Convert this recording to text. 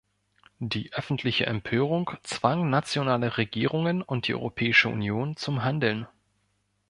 Die öffentliche Empörung zwang nationale Regierungen und die Europäische Union zum Handeln.